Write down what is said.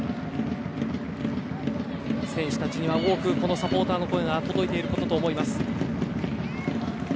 選手たちには多くサポーターの声が届いていることと思います。